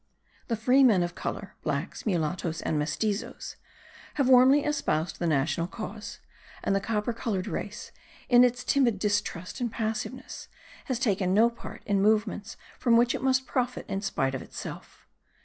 The free men of colour (blacks, mulattoes and mestizoes) have warmly espoused the national cause; and the copper coloured race, in its timid distrust and passiveness, has taken no part in movements from which it must profit in spite of itself.